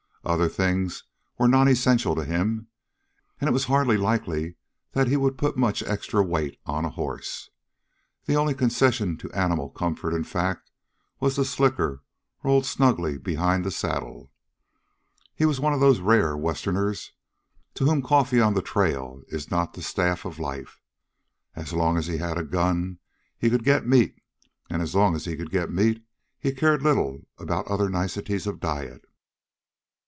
Other things were nonessentials to him, and it was hardly likely that he would put much extra weight on a horse. The only concession to animal comfort, in fact, was the slicker rolled snugly behind the saddle. He was one of those rare Westerners to whom coffee on the trail is not the staff of life. As long as he had a gun he could get meat, and as long as he could get meat, he cared little about other niceties of diet.